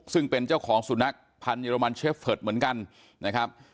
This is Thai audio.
ซึ่งเป็นเจ้าของสุนัขพันธ์เรมันเชฟเฟิร์ตเหมือนกันนะครับ